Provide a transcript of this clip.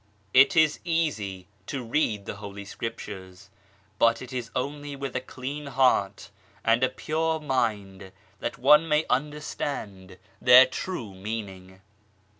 It is easy to read the Holy Scriptures, but it is only with a clean heart and a pure mind that one may under stand their true meaning.